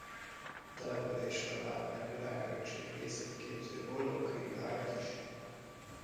A településről látni a világörökség részét képező Hollókői várat is.